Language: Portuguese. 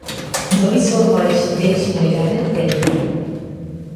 Doe sua voz, deixe um legado eterno